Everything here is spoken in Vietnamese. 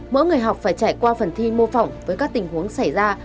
mỗi người học phải trải qua phần thi mô phỏng với các tình huống xảy ra